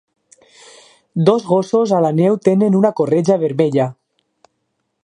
Dos gossos a la neu tenen una corretja vermella